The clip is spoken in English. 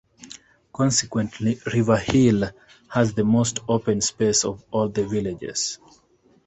Consequently, River Hill has the most open space of all the villages.